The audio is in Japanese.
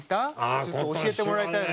ちょっと教えてもらいたいの。